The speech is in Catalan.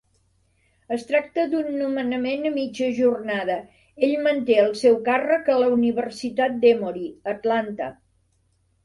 Es tracta d'un nomenament a mitja jornada. Ell manté el seu càrrec a la Universitat d'Emory, a Atlanta.